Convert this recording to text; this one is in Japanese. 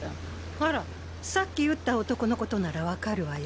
あらさっき撃った男の事ならわかるわよ。